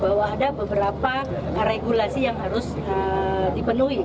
bahwa ada beberapa regulasi yang harus dipenuhi